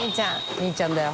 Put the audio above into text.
兄ちゃんだよ。